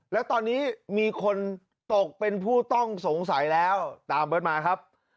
แล้วตอนนี้มีคนตกเป็นผู้ต้องสงสัยแล้วตามเบิร์ตมาครับ